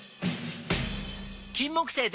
金木犀でた！